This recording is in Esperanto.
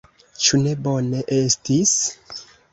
Ĉu ne bone estis?